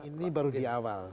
ini baru di awal